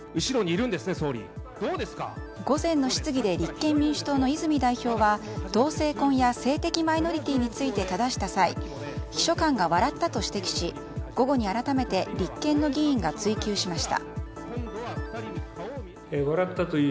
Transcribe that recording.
午前の質疑で立憲民主党の泉代表は同性婚や性的マイノリティーについて質した際秘書官が笑ったと指摘し午後に改めて立憲の議員が追及しました。